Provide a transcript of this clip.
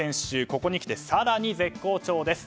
ここに来て更に絶好調です。